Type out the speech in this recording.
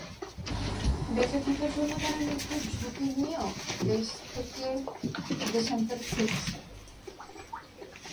বেঁচে থাকার জন্য তারা মৃত্যুর ঝুঁকি নিয়েও দেশ থেকে দেশান্তরে ছুটছে।